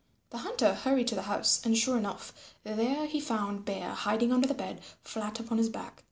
The Hunter hurried to the house, and sure enough there he found Bear hiding under the bed, flat upon his back.